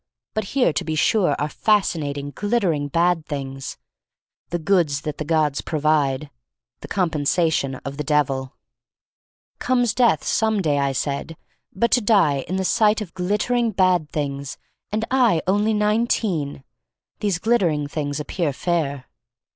But here, to be sure, are fascinating, glittering bad things — the goods that the gods provide, the com pensation, of the Devil. THE STORY OF MAltY MAC LANE 225 Comes Death, some day, I said — but to die, in the sight of glittering bad things — and I only nineteen! These glittering things appear fair.